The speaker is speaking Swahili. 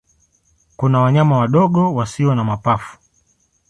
Kuna wanyama wadogo wasio na mapafu.